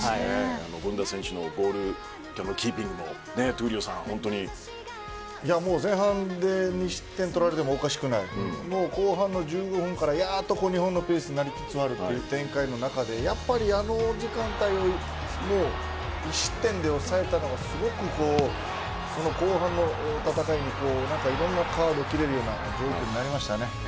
権田選手のボールキーピングも、闘莉王さん前半で２失点してもおかしくない後半の１５分からやっと日本のペースになりつつある展開の中でやっぱりあの時間帯を１失点で抑えたというのがすごく、後半の戦いにいろんなカードを切れるようになりましたね。